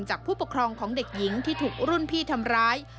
ผู้ปกครองของเด็กหญิงที่ถูกรุ่นพี่ทำร้าย